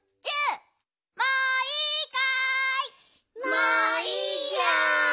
もういいよ！